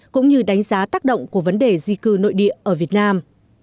cũng như đánh giá tác động của vấn đề di cư nội địa ở việt nam